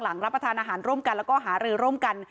รับประทานอาหารร่วมกันแล้วก็หารือร่วมกัน